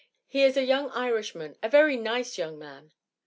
He is a young Irishman ; a very nice young man.